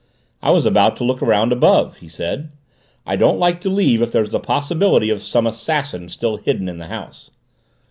"I was about to look around above," he said. "I don't like to leave if there is the possibility of some assassin still hidden in the house."